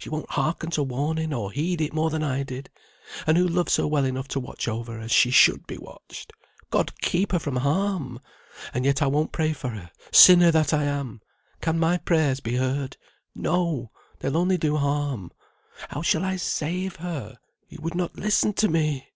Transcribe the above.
She won't hearken to warning, or heed it more than I did; and who loves her well enough to watch over her as she should be watched? God keep her from harm! And yet I won't pray for her; sinner that I am! Can my prayers be heard? No! they'll only do harm. How shall I save her? He would not listen to me."